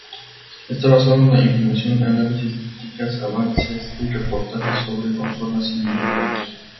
Está basado en la información, análisis, críticas, avances y reportajes sobre consolas y videojuegos.